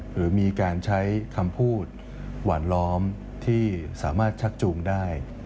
หรือมีการใช้คำพูดหวานล้อมที่สามารถชักจูงได้